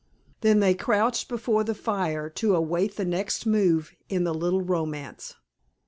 Then they crouched before the fire to await the next move in the little romance.